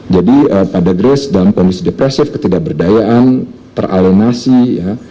jadi pada grace dalam kondisi depresif ketidakberdayaan teralimasi ya